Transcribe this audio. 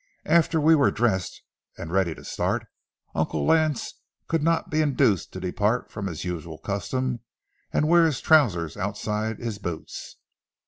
After we were dressed and ready to start, Uncle Lance could not be induced to depart from his usual custom, and wear his trousers outside his boots.